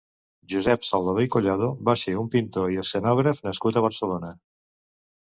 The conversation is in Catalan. Josep Salvador i Collado va ser un pintor i escenògraf nascut a Barcelona.